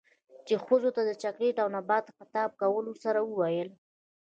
،چـې ښـځـو تـه د چـاکـليـت او نـبات خـطاب کـولـو سـره وويل.